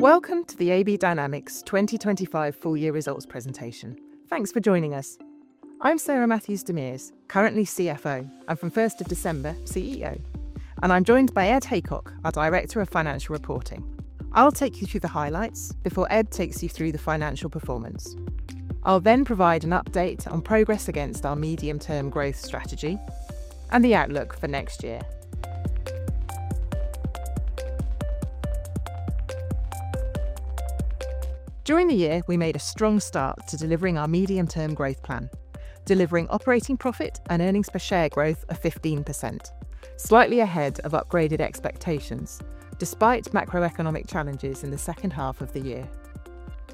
Welcome to the AB Dynamics 2025 full-year results presentation. Thanks for joining us. I'm Sarah Matthews-DeMers, currently CFO and from 1st of December, CEO, and I'm joined by Ed Haycock, our Director of Financial Reporting. I'll take you through the highlights before Ed takes you through the financial performance. I'll then provide an update on progress against our medium-term growth strategy and the outlook for next year. During the year, we made a strong start to delivering our medium-term growth plan, delivering operating profit and earnings per share growth of 15%, slightly ahead of upgraded expectations despite macroeconomic challenges in the second half of the year.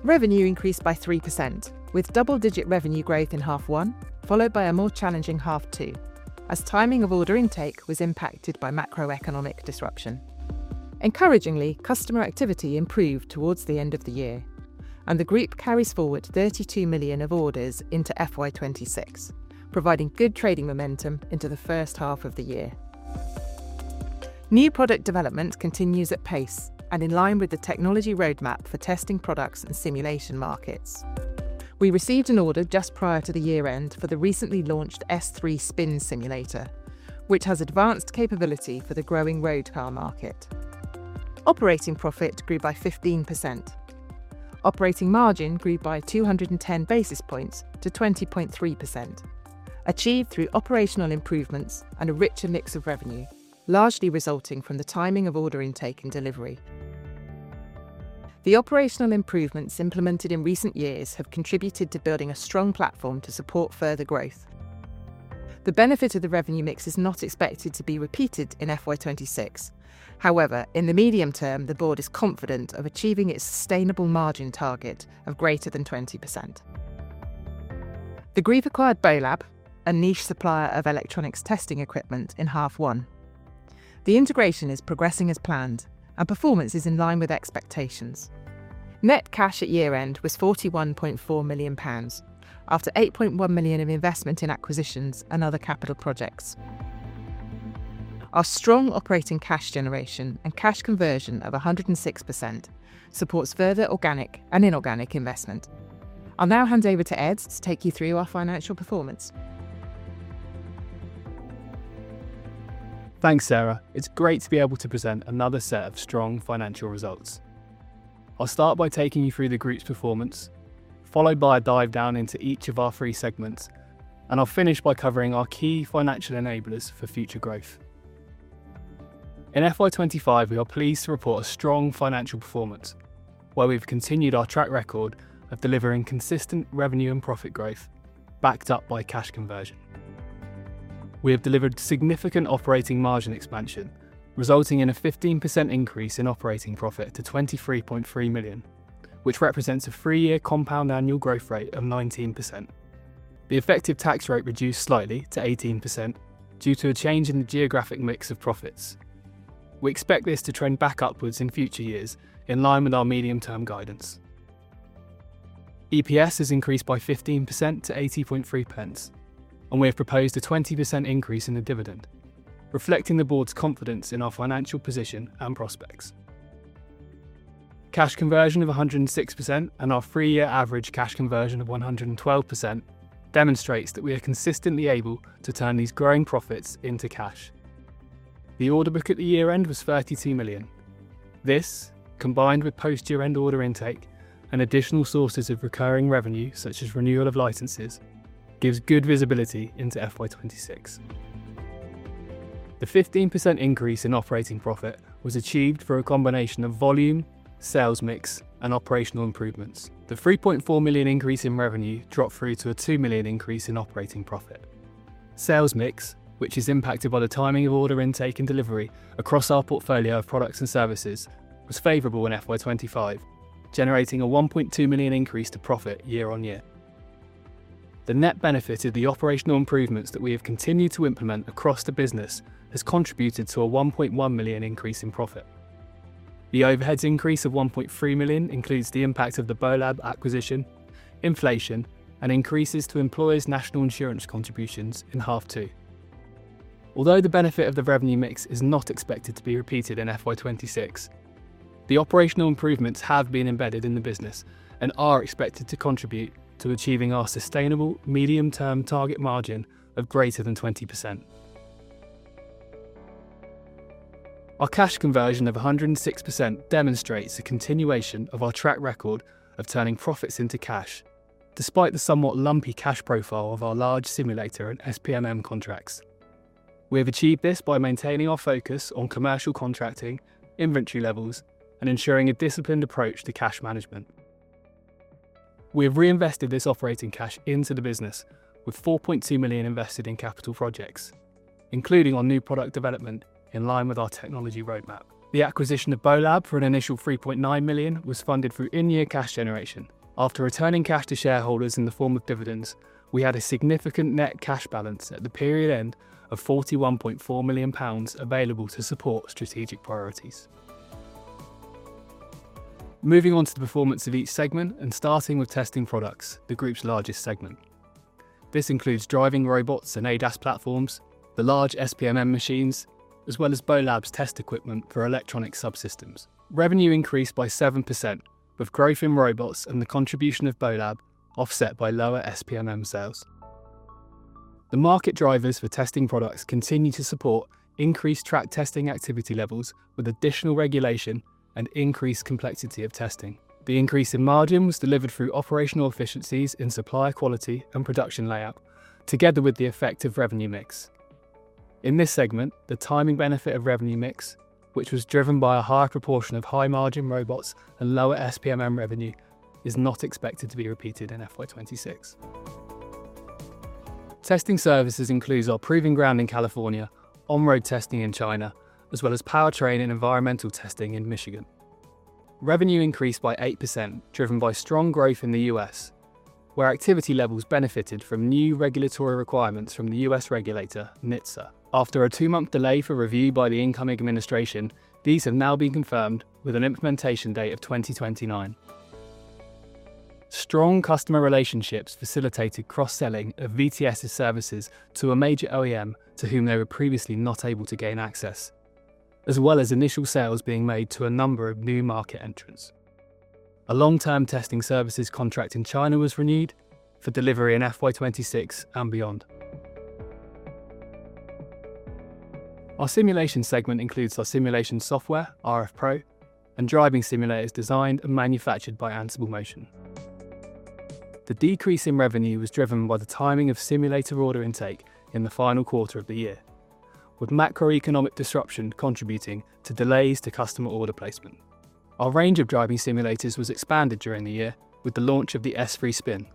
Revenue increased by 3%, with double-digit revenue growth in half one, followed by a more challenging half two as timing of order intake was impacted by macroeconomic disruption. Encouragingly, customer activity improved towards the end of the year, and the group carries forward 32 million of orders into FY26, providing good trading momentum into the first half of the year. New product development continues at pace and in line with the technology roadmap for testing products and simulation markets. We received an order just prior to the year-end for the recently launched S3 Spin Simulator, which has advanced capability for the growing road car market. Operating profit grew by 15%. Operating margin grew by 210 basis points to 20.3%, achieved through operational improvements and a richer mix of revenue, largely resulting from the timing of order intake and delivery. The operational improvements implemented in recent years have contributed to building a strong platform to support further growth. The benefit of the revenue mix is not expected to be repeated in FY26. However, in the medium term, the board is confident of achieving its sustainable margin target of greater than 20%. The group acquired Bolab, a niche supplier of electronics testing equipment, in half one. The integration is progressing as planned, and performance is in line with expectations. Net cash at year-end was 41.4 million pounds after 8.1 million of investment in acquisitions and other capital projects. Our strong operating cash generation and cash conversion of 106% supports further organic and inorganic investment. I'll now hand over to Ed to take you through our financial performance. Thanks, Sarah. It's great to be able to present another set of strong financial results. I'll start by taking you through the group's performance, followed by a dive down into each of our three segments, and I'll finish by covering our key financial enablers for future growth. In FY25, we are pleased to report a strong financial performance, where we've continued our track record of delivering consistent revenue and profit growth backed up by cash conversion. We have delivered significant operating margin expansion, resulting in a 15% increase in operating profit to 23.3 million, which represents a three-year compound annual growth rate of 19%. The effective tax rate reduced slightly to 18% due to a change in the geographic mix of profits. We expect this to trend back upwards in future years in line with our medium-term guidance. EPS has increased by 15% to 80.3, and we have proposed a 20% increase in the dividend, reflecting the board's confidence in our financial position and prospects. Cash conversion of 106% and our three-year average cash conversion of 112% demonstrates that we are consistently able to turn these growing profits into cash. The order book at the year-end was 32 million. This, combined with post-year-end order intake and additional sources of recurring revenue, such as renewal of licenses, gives good visibility into FY26. The 15% increase in operating profit was achieved through a combination of volume, sales mix, and operational improvements. The 3.4 million increase in revenue dropped through to a 2 million increase in operating profit. Sales mix, which is impacted by the timing of order intake and delivery across our portfolio of products and services, was favorable in FY25, generating a 1.2 million increase to profit year on year. The net benefit of the operational improvements that we have continued to implement across the business has contributed to a 1.1 million increase in profit. The overhead increase of 1.3 million includes the impact of the Bolab acquisition, inflation, and increases to employers' National Insurance contributions in half two. Although the benefit of the revenue mix is not expected to be repeated in FY26, the operational improvements have been embedded in the business and are expected to contribute to achieving our sustainable medium-term target margin of greater than 20%. Our cash conversion of 106% demonstrates the continuation of our track record of turning profits into cash, despite the somewhat lumpy cash profile of our large simulator and SPMM contracts. We have achieved this by maintaining our focus on commercial contracting, inventory levels, and ensuring a disciplined approach to cash management. We have reinvested this operating cash into the business, with 4.2 million invested in capital projects, including on new product development in line with our technology roadmap. The acquisition of Bolab for an initial 3.9 million was funded through in-year cash generation. After returning cash to shareholders in the form of dividends, we had a significant net cash balance at the period end of 41.4 million pounds available to support strategic priorities. Moving on to the performance of each segment and starting with testing products, the group's largest segment. This includes driving robots and ADAS platforms, the large SPMM machines, as well as Bolab's test equipment for electronic subsystems. Revenue increased by 7%, with growth in robots and the contribution of Bolab offset by lower SPMM sales. The market drivers for testing products continue to support increased track testing activity levels with additional regulation and increased complexity of testing. The increase in margin was delivered through operational efficiencies in supplier quality and production layout, together with the effective revenue mix. In this segment, the timing benefit of revenue mix, which was driven by a higher proportion of high-margin robots and lower SPMM revenue, is not expected to be repeated in FY26. Testing services includes our proving ground in California, on-road testing in China, as well as powertrain and environmental testing in Michigan. Revenue increased by 8%, driven by strong growth in the U.S., where activity levels benefited from new regulatory requirements from the U.S. regulator, NHTSA. After a two-month delay for review by the incoming administration, these have now been confirmed with an implementation date of 2029. Strong customer relationships facilitated cross-selling of VTS's services to a major OEM to whom they were previously not able to gain access, as well as initial sales being made to a number of new market entrants. A long-term testing services contract in China was renewed for delivery in FY26 and beyond. Our simulation segment includes our simulation software, rFpro, and driving simulators designed and manufactured by Ansible Motion. The decrease in revenue was driven by the timing of simulator order intake in the final quarter of the year, with macroeconomic disruption contributing to delays to customer order placement. Our range of driving simulators was expanded during the year with the launch of the S3 Spin,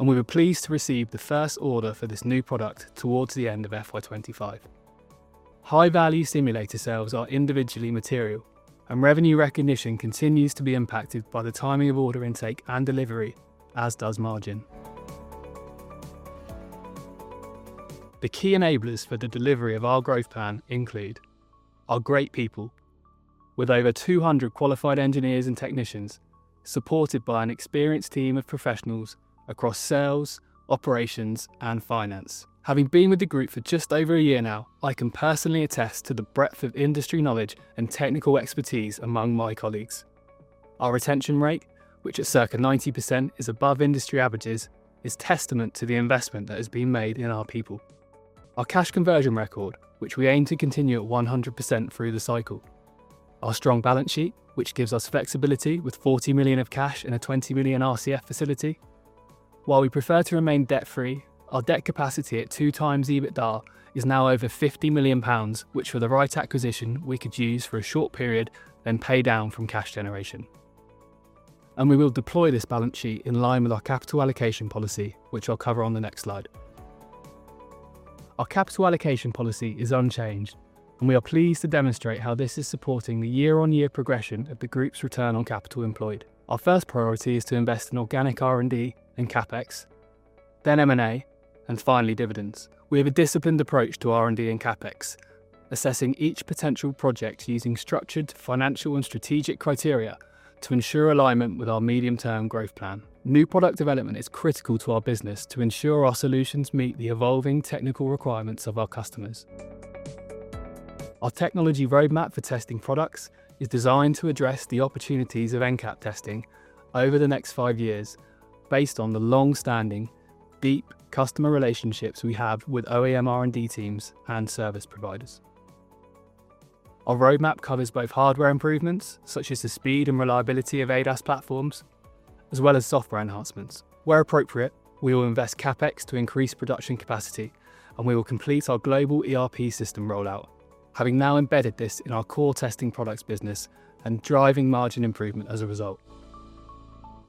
and we were pleased to receive the first order for this new product towards the end of FY25. High-value simulator sales are individually material, and revenue recognition continues to be impacted by the timing of order intake and delivery, as does margin. The key enablers for the delivery of our growth plan include our great people, with over 200 qualified engineers and technicians supported by an experienced team of professionals across sales, operations, and finance. Having been with the group for just over a year now, I can personally attest to the breadth of industry knowledge and technical expertise among my colleagues. Our retention rate, which at circa 90% is above industry averages, is testament to the investment that has been made in our people. Our cash conversion record, which we aim to continue at 100% through the cycle. Our strong balance sheet, which gives us flexibility with 40 million of cash in a 20 million RCF facility. While we prefer to remain debt-free, our debt capacity at two times EBITDA is now over 50 million pounds, which for the right acquisition, we could use for a short period, then pay down from cash generation. We will deploy this balance sheet in line with our capital allocation policy, which I'll cover on the next slide. Our capital allocation policy is unchanged, and we are pleased to demonstrate how this is supporting the year-on-year progression of the group's return on capital employed. Our first priority is to invest in organic R&D and CapEx, then M&A, and finally dividends. We have a disciplined approach to R&D and CapEx, assessing each potential project using structured financial and strategic criteria to ensure alignment with our medium-term growth plan. New product development is critical to our business to ensure our solutions meet the evolving technical requirements of our customers. Our technology roadmap for testing products is designed to address the opportunities of NCAP testing over the next five years, based on the long-standing deep customer relationships we have with OEM R&D teams and service providers. Our roadmap covers both hardware improvements, such as the speed and reliability of ADAS platforms, as well as software enhancements. Where appropriate, we will invest CapEx to increase production capacity, and we will complete our global ERP system rollout, having now embedded this in our core testing products business and driving margin improvement as a result.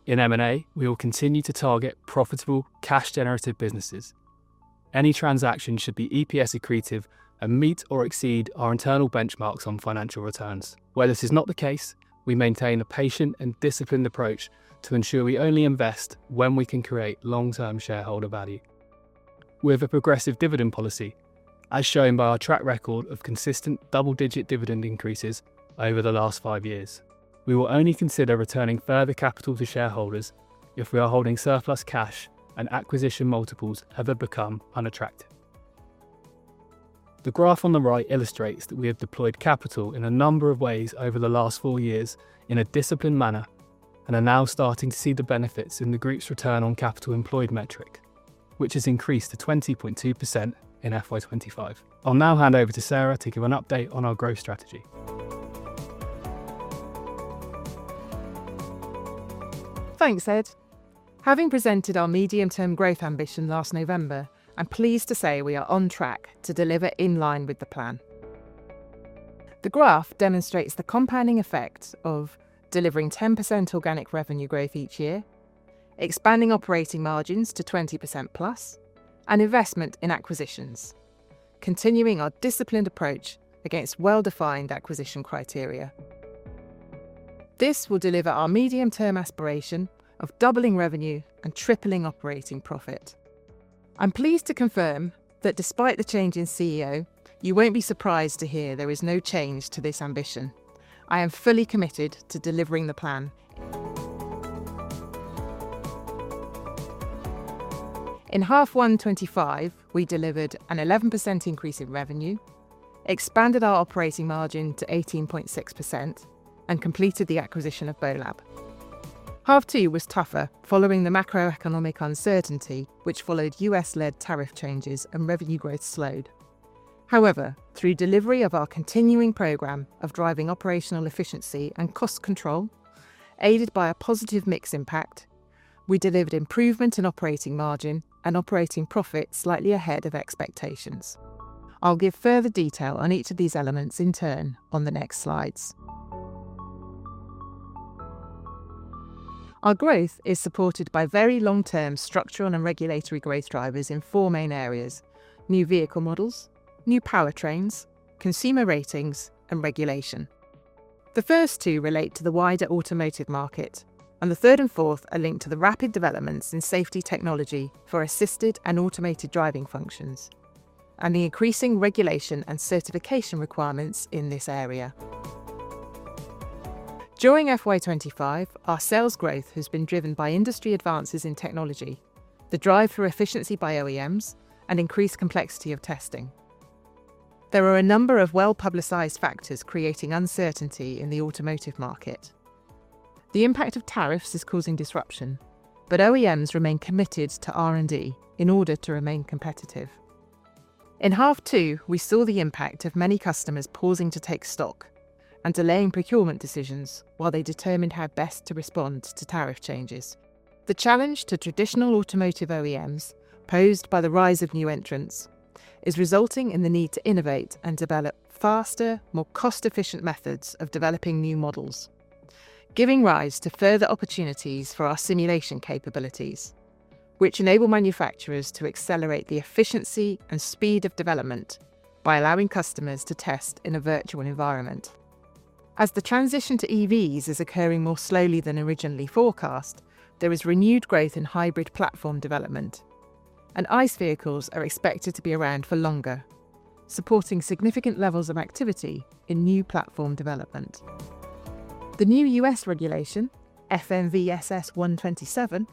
In M&A, we will continue to target profitable cash-generative businesses. Any transaction should be EPS accretive and meet or exceed our internal benchmarks on financial returns. Where this is not the case, we maintain a patient and disciplined approach to ensure we only invest when we can create long-term shareholder value. We have a progressive dividend policy, as shown by our track record of consistent double-digit dividend increases over the last five years. We will only consider returning further capital to shareholders if we are holding surplus cash and acquisition multiples ever become unattractive. The graph on the right illustrates that we have deployed capital in a number of ways over the last four years in a disciplined manner and are now starting to see the benefits in the group's return on capital employed metric, which has increased to 20.2% in FY25. I'll now hand over to Sarah to give an update on our growth strategy. Thanks, Ed. Having presented our medium-term growth ambition last November, I'm pleased to say we are on track to deliver in line with the plan. The graph demonstrates the compounding effects of delivering 10% organic revenue growth each year, expanding operating margins to 20%+, and investment in acquisitions, continuing our disciplined approach against well-defined acquisition criteria. This will deliver our medium-term aspiration of doubling revenue and tripling operating profit. I'm pleased to confirm that despite the change in CEO, you won't be surprised to hear there is no change to this ambition. I am fully committed to delivering the plan. In half one 25, we delivered an 11% increase in revenue, expanded our operating margin to 18.6%, and completed the acquisition of Bolab. Half two was tougher following the macroeconomic uncertainty, which followed U.S.-led tariff changes, and revenue growth slowed. However, through delivery of our continuing program of driving operational efficiency and cost control, aided by a positive mix impact, we delivered improvement in operating margin and operating profit slightly ahead of expectations. I'll give further detail on each of these elements in turn on the next slides. Our growth is supported by very long-term structural and regulatory growth drivers in four main areas: new vehicle models, new powertrains, consumer ratings, and regulation. The first two relate to the wider automotive market, and the third and fourth are linked to the rapid developments in safety technology for assisted and automated driving functions and the increasing regulation and certification requirements in this area. During FY25, our sales growth has been driven by industry advances in technology, the drive for efficiency by OEMs, and increased complexity of testing. There are a number of well-publicized factors creating uncertainty in the automotive market. The impact of tariffs is causing disruption, but OEMs remain committed to R&D in order to remain competitive. In half two, we saw the impact of many customers pausing to take stock and delaying procurement decisions while they determined how best to respond to tariff changes. The challenge to traditional automotive OEMs posed by the rise of new entrants is resulting in the need to innovate and develop faster, more cost-efficient methods of developing new models, giving rise to further opportunities for our simulation capabilities, which enable manufacturers to accelerate the efficiency and speed of development by allowing customers to test in a virtual environment. As the transition to EVs is occurring more slowly than originally forecast, there is renewed growth in hybrid platform development, and ICE vehicles are expected to be around for longer, supporting significant levels of activity in new platform development. The new U.S. regulation, FMVSS 127,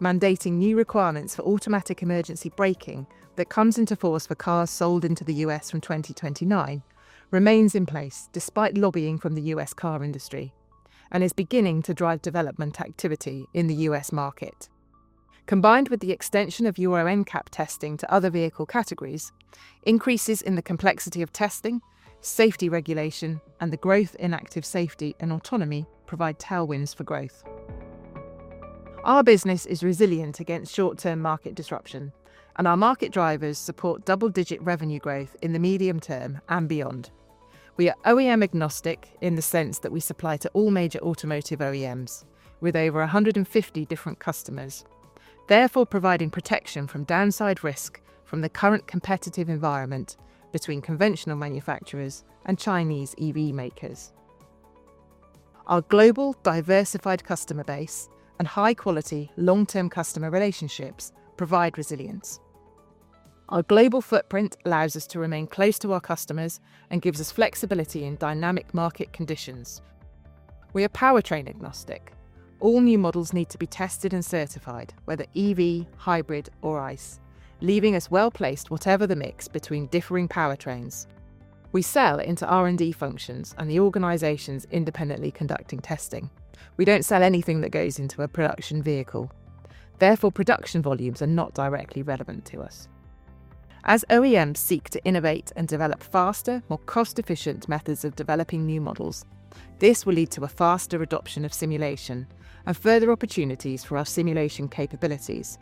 mandating new requirements for automatic emergency braking that comes into force for cars sold into the U.S. from 2029, remains in place despite lobbying from the U.S. car industry and is beginning to drive development activity in the U.S. market. Combined with the extension of Euro NCAP testing to other vehicle categories, increases in the complexity of testing, safety regulation, and the growth in active safety and autonomy provide tailwinds for growth. Our business is resilient against short-term market disruption, and our market drivers support double-digit revenue growth in the medium term and beyond. We are OEM-agnostic in the sense that we supply to all major automotive OEMs with over 150 different customers, therefore providing protection from downside risk from the current competitive environment between conventional manufacturers and Chinese EV makers. Our global, diversified customer base and high-quality, long-term customer relationships provide resilience. Our global footprint allows us to remain close to our customers and gives us flexibility in dynamic market conditions. We are powertrain agnostic. All new models need to be tested and certified, whether EV, hybrid, or ICE, leaving us well placed whatever the mix between differing powertrains. We sell into R&D functions and the organizations independently conducting testing. We don't sell anything that goes into a production vehicle. Therefore, production volumes are not directly relevant to us. As OEMs seek to innovate and develop faster, more cost-efficient methods of developing new models, this will lead to a faster adoption of simulation and further opportunities for our simulation capabilities.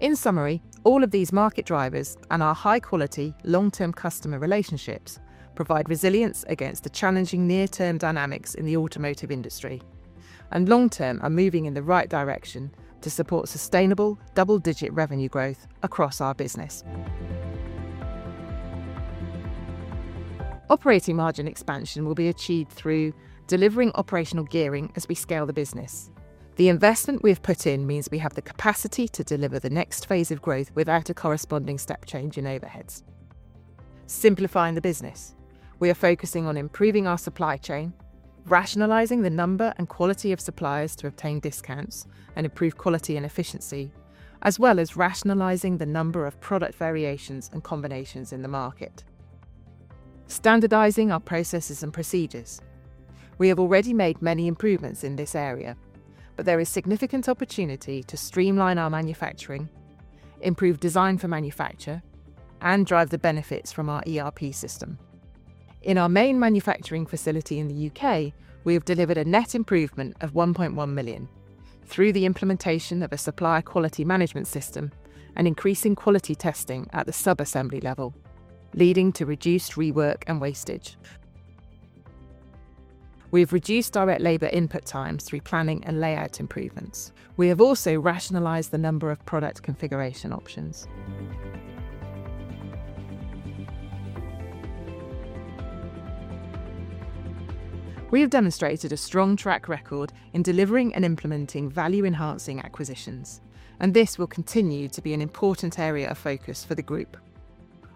In summary, all of these market drivers and our high-quality, long-term customer relationships provide resilience against the challenging near-term dynamics in the automotive industry, and long-term, are moving in the right direction to support sustainable double-digit revenue growth across our business. Operating margin expansion will be achieved through delivering operational gearing as we scale the business. The investment we have put in means we have the capacity to deliver the next phase of growth without a corresponding step change in overheads. Simplifying the business, we are focusing on improving our supply chain, rationalizing the number and quality of suppliers to obtain discounts and improve quality and efficiency, as well as rationalizing the number of product variations and combinations in the market. Standardizing our processes and procedures. We have already made many improvements in this area, but there is significant opportunity to streamline our manufacturing, improve design for manufacture, and drive the benefits from our ERP system. In our main manufacturing facility in the U.K., we have delivered a net improvement of 1.1 million through the implementation of a supplier quality management system and increasing quality testing at the sub-assembly level, leading to reduced rework and wastage. We have reduced direct labor input times through planning and layout improvements. We have also rationalized the number of product configuration options. We have demonstrated a strong track record in delivering and implementing value-enhancing acquisitions, and this will continue to be an important area of focus for the group.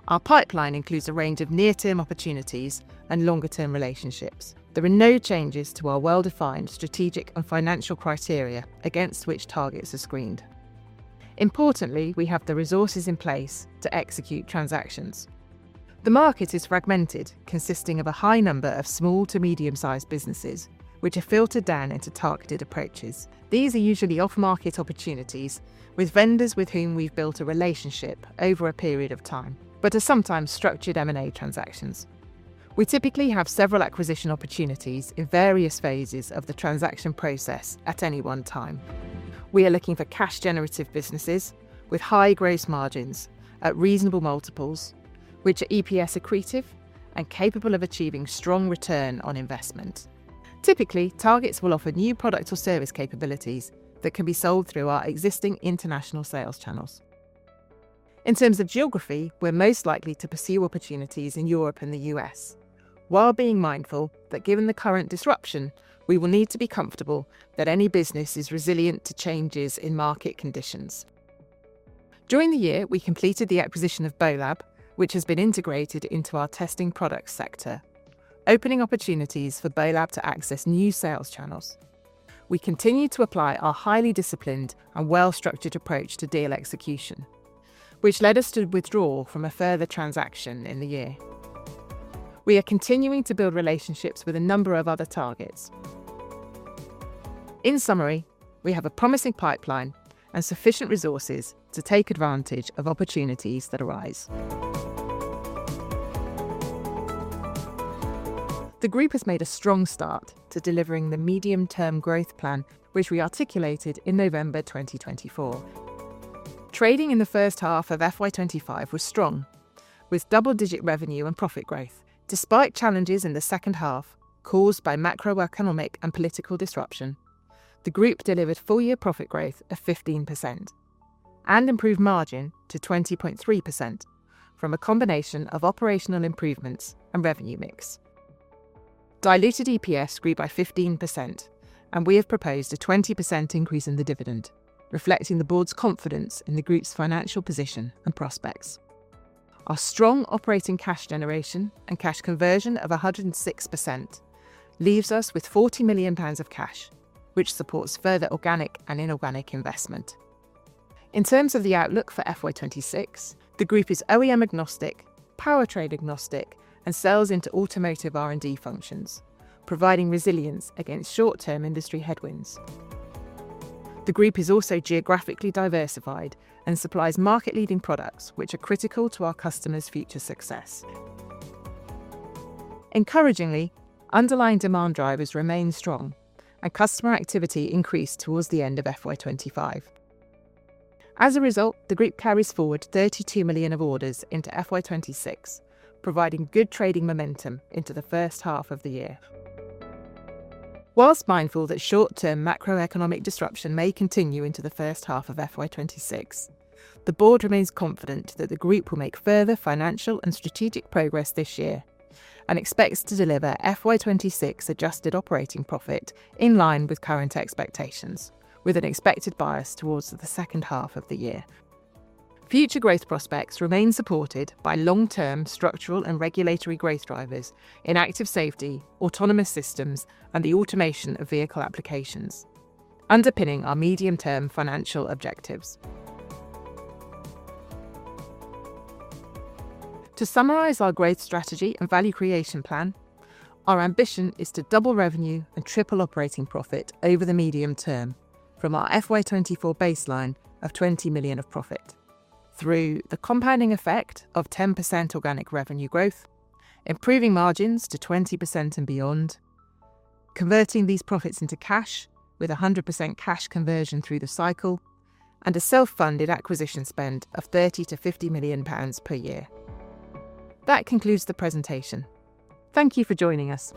Our pipeline includes a range of near-term opportunities and longer-term relationships. There are no changes to our well-defined strategic and financial criteria against which targets are screened. Importantly, we have the resources in place to execute transactions. The market is fragmented, consisting of a high number of small to medium-sized businesses, which are filtered down into targeted approaches. These are usually off-market opportunities with vendors with whom we've built a relationship over a period of time, but are sometimes structured M&A transactions. We typically have several acquisition opportunities in various phases of the transaction process at any one time. We are looking for cash-generative businesses with high gross margins at reasonable multiples, which are EPS accretive and capable of achieving strong return on investment. Typically, targets will offer new product or service capabilities that can be sold through our existing international sales channels. In terms of geography, we're most likely to pursue opportunities in Europe and the U.S., while being mindful that given the current disruption, we will need to be comfortable that any business is resilient to changes in market conditions. During the year, we completed the acquisition of Bolab, which has been integrated into our testing product sector, opening opportunities for Bolab to access new sales channels. We continue to apply our highly disciplined and well-structured approach to deal execution, which led us to withdraw from a further transaction in the year. We are continuing to build relationships with a number of other targets. In summary, we have a promising pipeline and sufficient resources to take advantage of opportunities that arise. The group has made a strong start to delivering the medium-term growth plan, which we articulated in November 2024. Trading in the first half of FY25 was strong, with double-digit revenue and profit growth. Despite challenges in the second half caused by macroeconomic and political disruption, the group delivered full-year profit growth of 15% and improved margin to 20.3% from a combination of operational improvements and revenue mix. Diluted EPS grew by 15%, and we have proposed a 20% increase in the dividend, reflecting the board's confidence in the group's financial position and prospects. Our strong operating cash generation and cash conversion of 106% leaves us with 40 million pounds of cash, which supports further organic and inorganic investment. In terms of the outlook for FY26, the group is OEM-agnostic, powertrain-agnostic, and sells into automotive R&D functions, providing resilience against short-term industry headwinds. The group is also geographically diversified and supplies market-leading products, which are critical to our customers' future success. Encouragingly, underlying demand drivers remain strong, and customer activity increased towards the end of FY25. As a result, the group carries forward 32 million of orders into FY26, providing good trading momentum into the first half of the year. Whilst mindful that short-term macroeconomic disruption may continue into the first half of FY26, the board remains confident that the group will make further financial and strategic progress this year and expects to deliver FY26 adjusted operating profit in line with current expectations, with an expected bias towards the second half of the year. Future growth prospects remain supported by long-term structural and regulatory growth drivers in active safety, autonomous systems, and the automation of vehicle applications, underpinning our medium-term financial objectives. To summarize our growth strategy and value creation plan, our ambition is to double revenue and triple operating profit over the medium term from our FY24 baseline of £20 million of profit, through the compounding effect of 10% organic revenue growth, improving margins to 20% and beyond, converting these profits into cash with 100% cash conversion through the cycle, and a self-funded acquisition spend of 30 million - 50 million pounds per year. That concludes the presentation. Thank you for joining us.